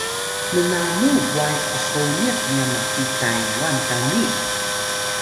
nnanu bway qhoniq nyan maki Taywan qani?